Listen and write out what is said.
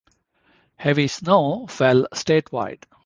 Heavy snow fell statewide.